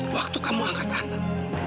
waktu kamu angkat anak